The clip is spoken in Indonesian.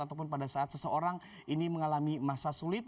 ataupun pada saat seseorang ini mengalami masa sulit